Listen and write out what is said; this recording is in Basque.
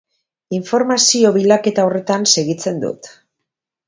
Informazio bilaketa horretan segitzen dut.